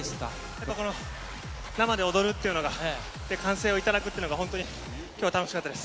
やっぱこの生で踊るっていうのが、歓声を頂くっていうのが、本当にきょうは楽しかったです。